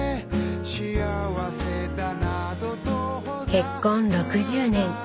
結婚６０年。